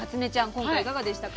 今回いかがでしたか？